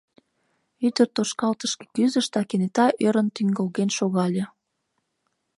Ӱдыр тошкалтышке кӱзыш да кенета ӧрын тӱҥгылген шогале.